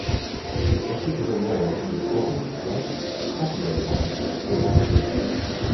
Ricky is a lawyer and is helping write copyright laws for the internet.